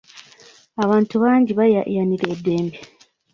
Abantu bangi bayayaanira eddembe.